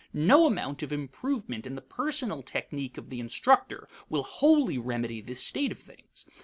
No amount of improvement in the personal technique of the instructor will wholly remedy this state of things.